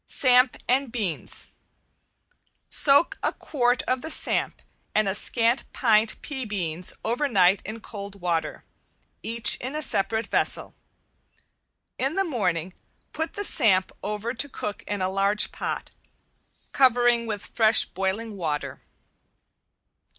~SAMP AND BEANS~ Soak a quart of the samp and a scant pint pea beans over night in cold water, each in a separate vessel. In the morning put the samp over to cook in a large pot, covering with fresh boiling water.